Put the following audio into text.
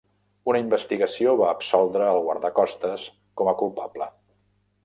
Una investigació va absoldre el guardacostes com a culpable.